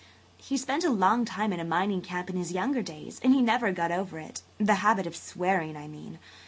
"He spent a long while in a mining camp in his younger days and he never got over it–the habit of swearing, I mean.